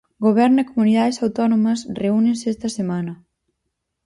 Goberno e Comunidades autónomas reúnense esta semana.